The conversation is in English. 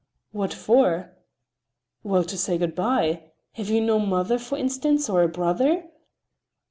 "What for?" "Well, to say good by! Have you no mother, for instance, or a brother?"